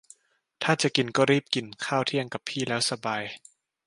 จะกินก็รีบกิน ข้าวเที่ยงกับพี่แล้วสบาย